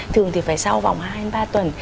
thường thì phải sau vòng hai ba tuần